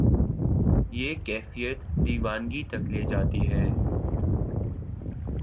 یہ کیفیت دیوانگی تک لے جاتی ہے۔